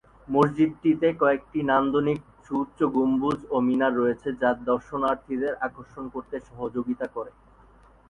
মসজিদটিতে কয়েকটি নান্দনিক সুউচ্চ গম্বুজ ও মিনার রয়েছে, যা দর্শনার্থীদের আকর্ষণ করতে সহযোগিতা করে।